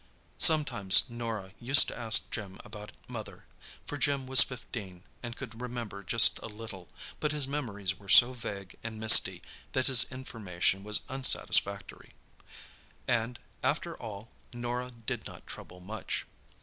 Sometimes Norah used to ask Jim about mother—for Jim was fifteen, and could remember just a little; but his memories were so vague and misty that his information was unsatisfactory. And, after all, Norah did not trouble much.